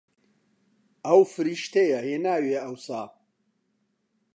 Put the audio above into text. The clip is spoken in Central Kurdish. ئەو فریشتەیە هێناویە ئەوسا